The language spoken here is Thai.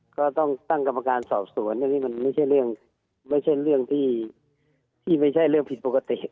ก็ต้องตั้งกรรมการสอบสวนและนี่มันไม่ใช่เรื่องที่ไม่ใช่เรื่องผิดปกติ